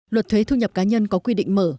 luật thuế thu nhập cá nhân có quy định mở